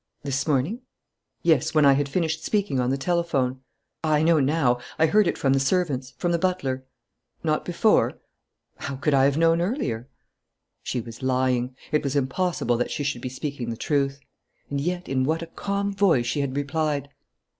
"This morning?" "Yes, when I had finished speaking on the telephone." "I know now. I heard it from the servants, from the butler." "Not before?" "How could I have known earlier?" She was lying. It was impossible that she should be speaking the truth. And yet in what a calm voice she had replied!